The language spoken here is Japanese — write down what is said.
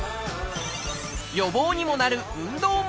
予防にもなる運動まで。